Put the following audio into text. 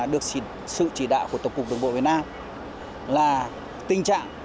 được sự chỉ đạo của tổng cục đường bộ việt nam là tình trạng